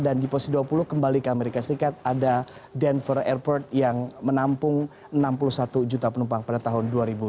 dan di posisi dua puluh kembali ke amerika serikat ada denver airport yang menampung enam puluh satu juta penumpang pada tahun dua ribu tujuh belas lalu